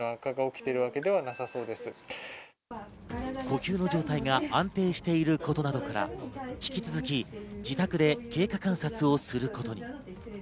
呼吸の状態が安定していることなどから、引き続き自宅で経過観察をすることに。